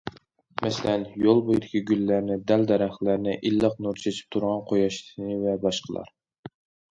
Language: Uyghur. مەسىلەن: يول بويىدىكى گۈللەرنى، دەل- دەرەخلەرنى، ئىللىق نۇر چېچىپ تۇرغان قۇياشنى ۋە باشقىلار.